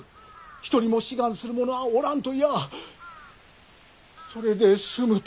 一人も志願する者ぁおらん』と言やあそれで済む」と。